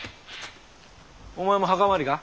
お前も墓参りか？